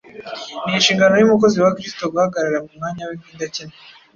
Ni inshingano y’umukozi wa Kristo guhagarara mu mwanya we nk’indakemwa,